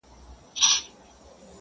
ځوان ژاړي سلگۍ وهي خبري کوي؛